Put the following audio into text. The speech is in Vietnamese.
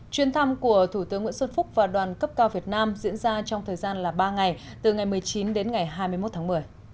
chuyến thăm của thủ tướng nguyễn xuân phúc và đoàn cấp cao việt nam diễn ra trong thời gian ba ngày từ ngày một mươi chín đến ngày hai mươi một tháng một mươi